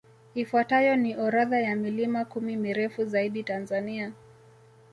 Ifuatayo ni orodha ya milima kumi mirefu zaidi Tanzania